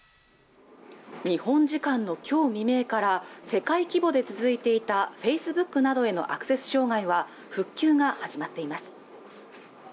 日本時間のきょう未明から世界規模で続いていたフェイスブックなどへのアクセス障害は復旧が始まっています